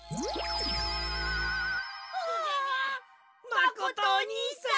まことおにいさん！